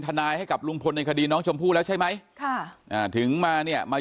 ทนายให้กับลุงพลในคดีน้องชมพู่แล้วใช่ไหมค่ะอ่าถึงมาเนี่ยมา